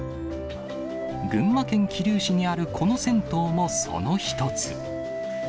群馬県桐生市にあるこの銭湯も、その一つ。